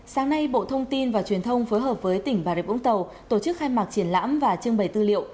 sáng nay bộ thông tin và truyền thông phối hợp với tỉnh bà rệt vũng tàu tổ chức khai mạc triển lãm và trưng bày tư liệu